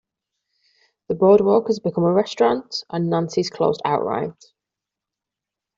The Boardwalk has become a restaurant, and Nancy's closed outright.